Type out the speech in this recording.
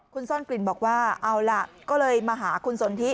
คุณซ่อนกลิ่นบอกว่าเอาล่ะก็เลยมาหาคุณสนทิ